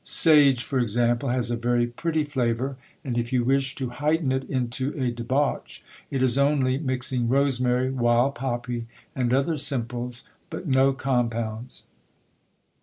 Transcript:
Sage, for example, has a very pretty flavour : and if you wish to heighten it into a de bauch, it is only mixing rosemary, wild poppy, and other simples, but no com pounds.